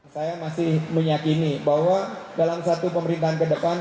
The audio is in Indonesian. saya masih meyakini bahwa dalam satu pemerintahan kedepan